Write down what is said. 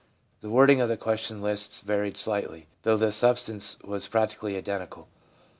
The wording of the question lists varied slightly, though the substance was practically identical.